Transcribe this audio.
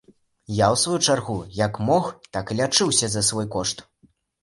Я ў сваю чаргу як мог, так і лячыўся за свой кошт.